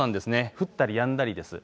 降ったりやんだりです。